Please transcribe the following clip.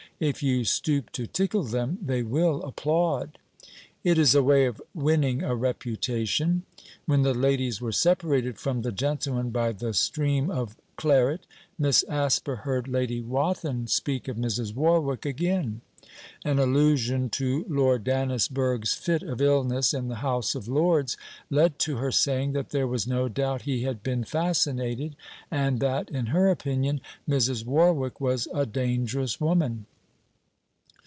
If you stoop to tickle them, they will applaud. It is a way of winning a reputation.' When the ladies were separated from the gentlemen by the stream of Claret, Miss Asper heard Lady Wathin speak of Mrs. Warwick again. An allusion to Lord Dannisburgh's fit of illness in the House of Lords led to her saying that there was no doubt he had been fascinated, and that, in her opinion, Mrs. Warwick was a dangerous woman.